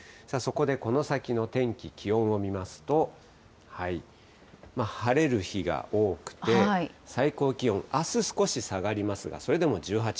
そこでこの先の天気、気温を見ますと、晴れる日が多くて、最高気温、あす、少し下がりますが、それでも１８度。